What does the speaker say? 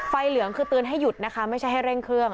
เหลืองคือเตือนให้หยุดนะคะไม่ใช่ให้เร่งเครื่อง